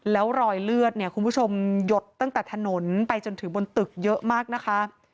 แล้วรอยเลือดเนี่ยคุณผู้ชมหยดตั้งแต่ถนนไปจนถึงบนตึกเยอะมากนะคะ